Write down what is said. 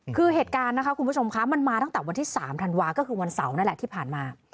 คือเหตุการณ์นะคะคุณผู้ชมคะมันมาตั้งแต่วันที่๓ธันวาก็คือวันเสาร์นั่นแหละที่ผ่านมา